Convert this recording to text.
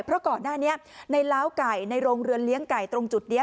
เพราะก่อนหน้านี้ในล้าวไก่ในโรงเรือนเลี้ยงไก่ตรงจุดนี้